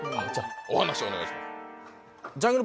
お話お願いします！